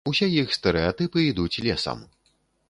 Усе іх стэрэатыпы ідуць лесам.